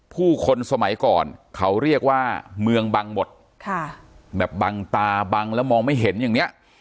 ผู้คนสมัยก่อนเขาเรียกว่าเมืองบังหมดค่ะแบบบังตาบังแล้วมองไม่เห็นอย่างเนี้ย